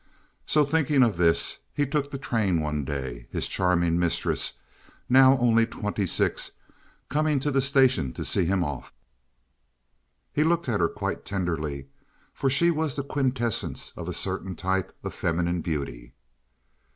So, thinking of this, he took the train one day, his charming mistress, now only twenty six, coming to the station to see him off. He looked at her quite tenderly, for she was the quintessence of a certain type of feminine beauty.